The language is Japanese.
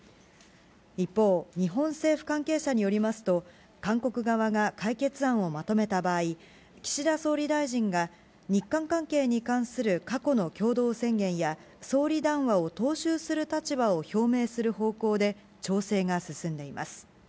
一方、日本政府関係者によりますと、韓国側が解決案をまとめた場合、岸田総理大臣が日韓関係に関する過去の共同宣言や総理談話を踏襲する立場を表明する方向で、調整が進んでいます。